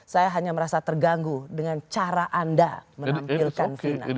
saya hanya merasa terganggu dengan cara anda menampilkan vina